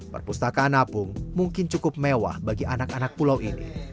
perpustakaan apung mungkin cukup mewah bagi anak anak pulau ini